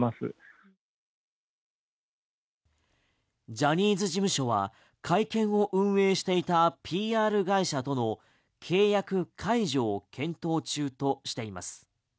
ジャニーズ事務所は会見を運営していたＰＲ会社との契約解除を検討中としています。